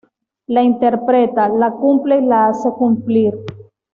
La interpreta, la cumple y la hace cumplir.